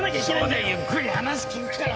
署でゆっくり話を聞くから。